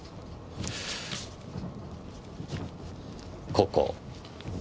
ここ。